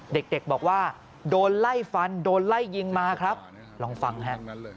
เด็กบอกว่าโดนไล่ฟันโดนไล่ยิงมาครับลองฟังฮะ